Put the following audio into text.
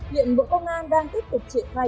viện bộ công an đang tiếp tục triển khai